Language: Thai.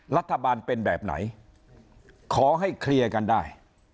รัฐบาลเป็นแบบไหนขอให้เคลียร์กันได้